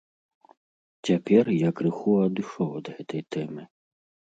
Цяпер я крыху адышоў ад гэтай тэмы.